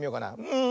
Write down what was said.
うん。